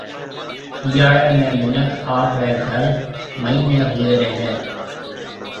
هِاڙي ۾ مِنک آپريَ گهر مئينَي هويري هيَ۔